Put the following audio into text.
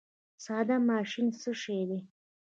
ساده ماشین څه شی دی؟